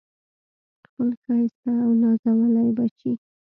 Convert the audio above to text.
خپل ښایسته او نازولي بچي